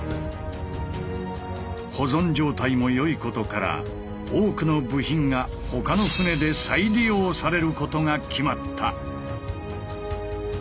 保存状態も良いことから多くの部品が他の船で再利用されることが決まった。